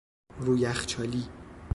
رو یخچالی